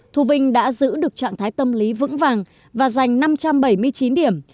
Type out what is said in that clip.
thu vinh đã giữ được trạng thái tâm lý vững vàng và giành năm trăm bảy mươi chín điểm